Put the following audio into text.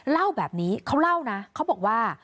เล่าแบบนี้เขาเล่านะเขาบอกว่า